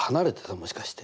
もしかして。